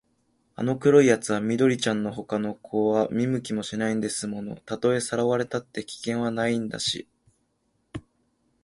あの黒いやつは緑ちゃんのほかの子は見向きもしないんですもの。たとえさらわれたって、危険はないんだし、